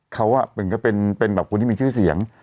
เขาอ่ะเป็นก็เป็นเป็นแบบคนที่มีชื่อเสียง